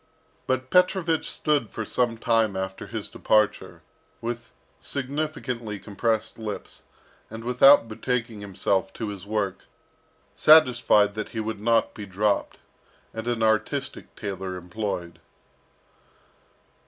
But Petrovich stood for some time after his departure, with significantly compressed lips, and without betaking himself to his work, satisfied that he would not be dropped, and an artistic tailor employed.